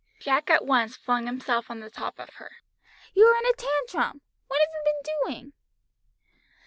Jack at once flung himself on the top of her. "You're in a tantrum! What have you been doing?"